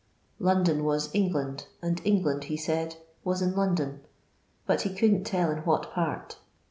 London was England, and England, he said, was in London, but he couldn't tell in what part.